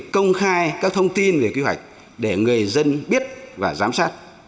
công khai các thông tin về kế hoạch để người dân biết và giám sát